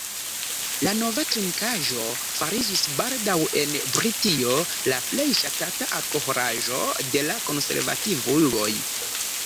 La nova trinkaĵo fariĝis baldaŭ en Britio la plej ŝatata alkoholaĵo de la konservativuloj.